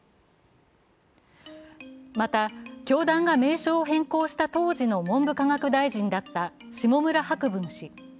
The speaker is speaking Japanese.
また、教団が名称を変更した当時の文部科学大臣だった下村博文氏。